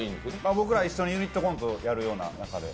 僕ら、一緒にユニットコントやるような仲で。